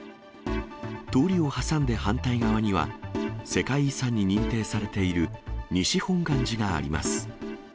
通りを挟んで反対側には、世界遺産に認定されている西本願寺があります。